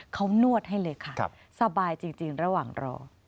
เขานวดให้เลยค่ะสบายจริงระหว่างรอ